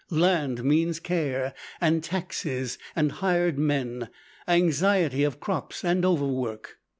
Land means care, and taxes, and hired men, anxiety of crops, and overwork.